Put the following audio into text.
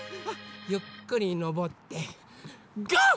ゆっくりのぼってゴー！